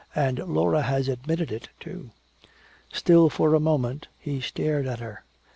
"And Laura has admitted it, too." Still for a moment he stared at her.